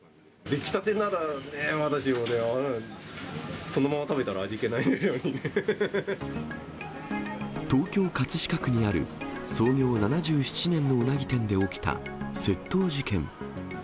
出来たてならまだしもね、東京・葛飾区にある、創業７７年のウナギ店で起きた窃盗事件。